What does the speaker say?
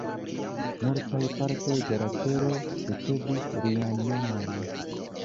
Multaj partoj de la tero ricevis lian nomon.